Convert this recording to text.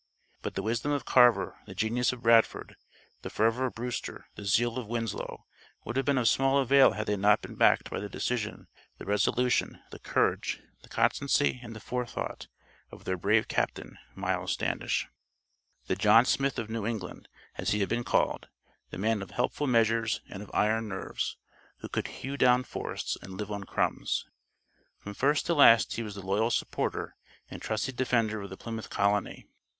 But the wisdom of Carver, the genius of Bradford, the fervor of Brewster, the zeal of Winslow, would have been of small avail had they not been backed by the decision, the resolution, the courage, the constancy, and the forethought of their brave captain, Miles Standish, "the John Smith of New England" as he has been called, the man of helpful measures and of iron nerves, who could "hew down forests and live on crumbs." From first to last he was the loyal supporter and trusty defender of the Plymouth colony.